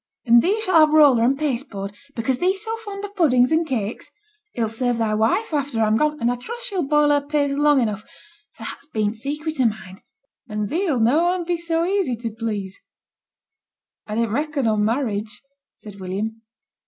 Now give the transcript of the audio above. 'And thee shalt have t' roller and paste board, because thee's so fond o' puddings and cakes. It 'll serve thy wife after I'm gone, and I trust she'll boil her paste long enough, for that's been t' secret o' mine, and thee'll noane be so easy t' please.' 'I din't reckon on marriage,' said William.